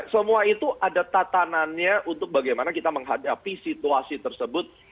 semua itu ada tatanannya untuk bagaimana kita menghadapi situasi tersebut